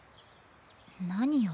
何よ。